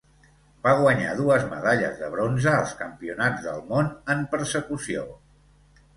Va guanyar dues medalles de bronze als Campionats del món en Persecució.